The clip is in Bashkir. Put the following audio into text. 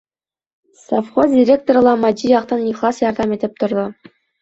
Совхоз директоры ла матди яҡтан ихлас ярҙам итеп торҙо.